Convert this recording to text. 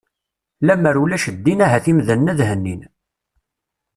Lammer ulac ddin ahat imdanen ad hennin.